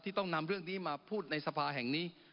ต้องนำเรื่องนี้มาพูดในสภาแห่งนี้